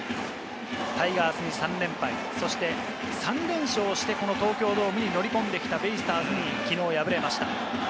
タイガースに３連敗、そして３連勝して、この東京ドームに乗り込んできたベイスターズにきのう敗れました。